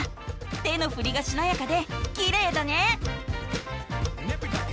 手のふりがしなやかできれいだね。